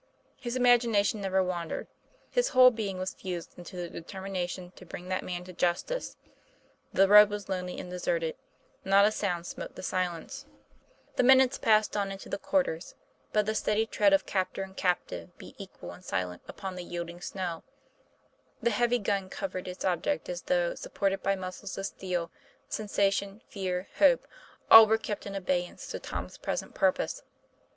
His imagination never wandered; his whole being was fused into the determination to bring that man to justice. The road was lonely and deserted; not a sound smote the stillness; the 232 TOM PL A YFAIR. minutes passed on into the quarters, but the steady tread of captor and captive beat equal and silent upon the yielding snow; the heavy gun covered its object as though supported by muscles of steel; sensation, fear, hope, all were kept in abeyance to Tom's present purpose.